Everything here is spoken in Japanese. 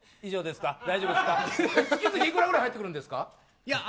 月々いくらぐらい入ってくるんですか？